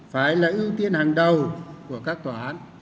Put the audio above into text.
phải là ưu tiên hàng đầu của các tòa án